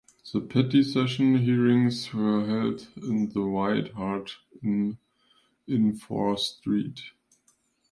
The petty session hearings were held in the White Hart Inn in Fore Street.